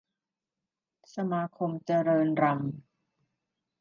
สมาคมเจริญรัมย์